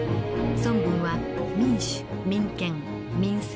孫文は民主民権民生